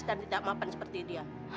dan tidak mapan seperti dia